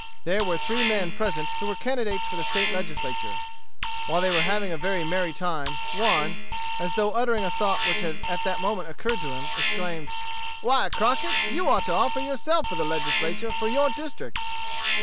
There were three men present who were candidates for the State Legislature. While they were having a very merry time, one, as though uttering a thought which had that moment occurred to him, exclaimed, "Why, Crockett, you ought to offer yourself for the Legislature for your district."